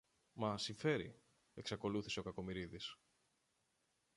Μας συμφέρει, εξακολούθησε ο Κακομοιρίδης.